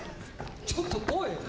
ちょっとおい！